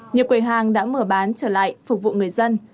nhiều quầy hàng đã mở bán trở lại phục vụ người dân